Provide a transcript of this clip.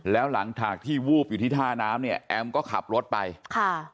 แล้วหลังจากที่วูบอยู่ที่ท่าน้ำเนี่ยแอมก็ขับรถไปค่ะ